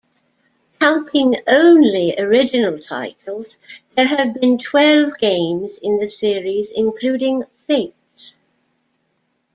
Counting only original titles, there have been twelve games in the series including "Fates".